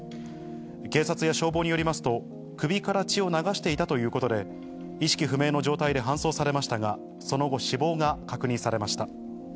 警察や消防によりますと、首から血を流していたということで、意識不明の状態で搬送されましたが、その後、死亡が確認されました。